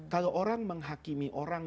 kalau orang menghakimi orang